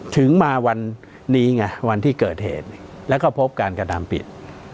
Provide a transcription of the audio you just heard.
ถึงมาวันนี้ไงวันที่เกิดเหตุแล้วก็พบการกระทำผิด